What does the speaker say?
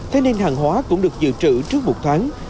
thế nên hàng hóa cũng được dự trữ trước một tháng